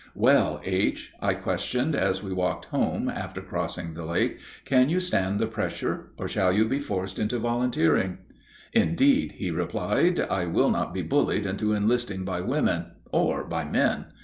'" "Well, H.," I questioned, as we walked home after crossing the lake, "can you stand the pressure, or shall you be forced into volunteering?" "Indeed," he replied, "I will not be bullied into enlisting by women, or by men.